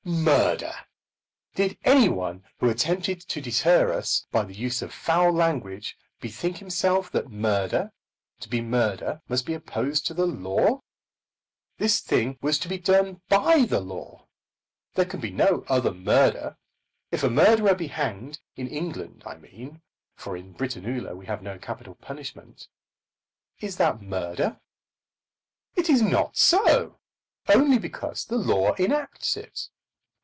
Murder! Did any one who attempted to deter us by the use of foul language, bethink himself that murder, to be murder, must be opposed to the law? This thing was to be done by the law. There can be no other murder. If a murderer be hanged, in England, I mean, for in Britannula we have no capital punishment, is that murder? It is not so, only because the law enacts it.